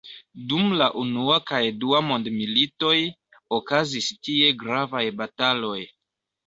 Dum la unua kaj dua mondmilitoj, okazis tie gravaj bataloj.